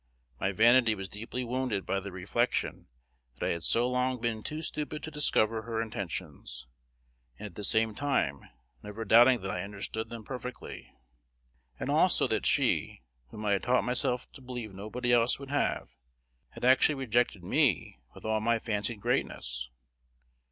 My vanity was deeply wounded by the reflection that I had so long been too stupid to discover her intentions, and at the same time never doubting that I understood them perfectly; and also that she, whom I had taught myself to believe nobody else would have, had actually rejected me with all my fancied greatness.